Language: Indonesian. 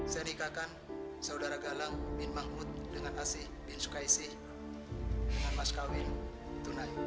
saya nikahkan saudara galang min mahmud dan